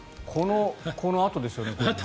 このあとですよね。